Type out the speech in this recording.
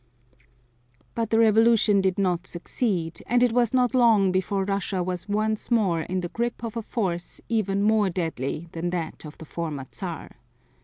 But the revolution did not succeed, and it was not long before Russia was once more in the grip of a force even more deadly than that of the former Czar.